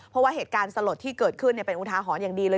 เพราะว่าเหตุการณ์สลดที่เกิดขึ้นเป็นอุทาหรณ์อย่างดีเลย